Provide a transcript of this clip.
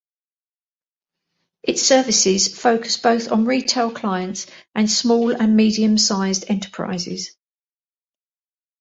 Its services focus both on retail clients and small and medium-sized enterprises.